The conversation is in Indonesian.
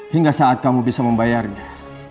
hingga saat kamu bisa membayarnya